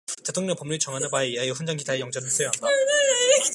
대통령은 법률이 정하는 바에 의하여 훈장 기타의 영전을 수여한다.